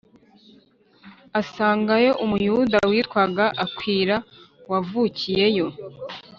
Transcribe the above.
Asangayo Umuyuda witwaga Akwila wavukiyeyo